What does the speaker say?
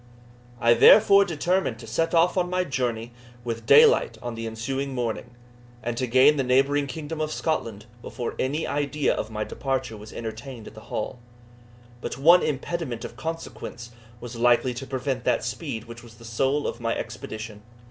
I therefore determined to set off on my journey with daylight on the ensuing morning, and to gain the neighbouring kingdom of Scotland before any idea of my departure was entertained at the Hall. But one impediment of consequence was likely to prevent that speed which was the soul of my expedition.